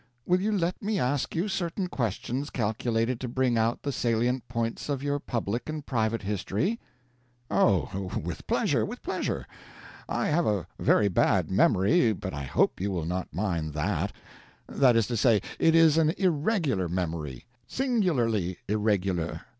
Will you let me ask you certain questions calculated to bring out the salient points of your public and private history?" "Oh, with pleasure with pleasure. I have a very bad memory, but I hope you will not mind that. That is to say, it is an irregular memory singularly irregular.